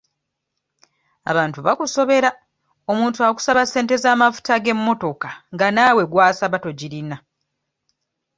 Abantu bakusobera omuntu akusaba ssente z'amafuta g'emmotoka nga naawe gw'asaba togirina.